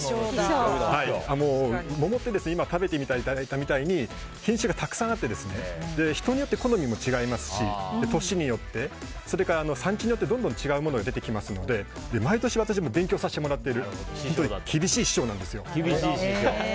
桃って今食べていただいたみたいに品種がたくさんあって人によって好みも違いますし、年によって産地によって、どんどん違うものが出てきますので毎年、私も勉強させてもらってる厳しい師匠なんですよ。